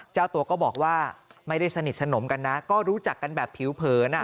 เจ้าตัวก็บอกว่าไม่ได้สนิทสนมกันนะก็รู้จักกันแบบผิวเผิน